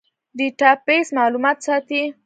ډیټابیس معلومات ساتي